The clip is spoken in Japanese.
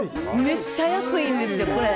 めっちゃ安いんですよ、これ。